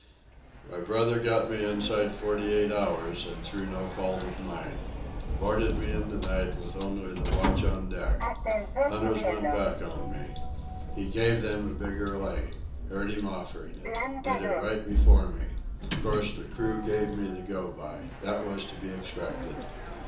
"My brother got me inside forty eight hours, and through no fault of mine. Boarded me in the night with only the watch on deck. Hunters went back on me. He gave them a bigger lay. Heard him offering it. Did it right before me. Of course the crew gave me the go by. That was to be expected.